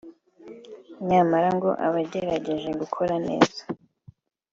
nyamara ngo abagerageje gukora neza